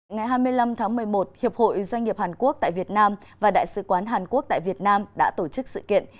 ngày hai mươi năm tháng một mươi một hiệp hội doanh nghiệp hàn quốc tại việt nam và đại sứ quán hàn quốc tại việt nam đã tổ chức sự kiện